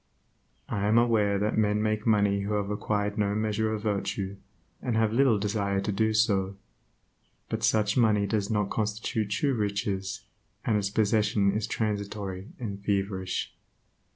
I am aware that men make money who have acquired no measure of virtue, and have little desire to do so; but such money does not constitute true riches, and its possession is transitory and feverish.